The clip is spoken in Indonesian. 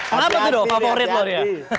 kenapa tuh dong favorit lu dia